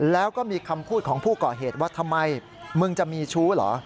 แล้วก็มีคำพูดของผู้ก่อเหตุว่าทำไมมึงจะมีชู้เหรอ